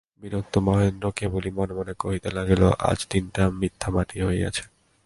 বিরক্ত মহেন্দ্র কেবলই মনে মনে কহিতে লাগিল, আজ দিনটা মিথ্যা মাটি হইয়াছে।